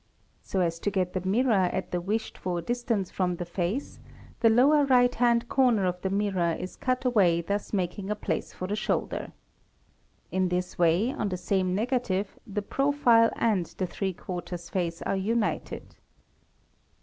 So as to get the mirror at the wished for distance from the fac the lower right hand corner of the mirror is cut away thus making ; place for the shoulder. In this way, on the same negative the profi and the three quarters face are united.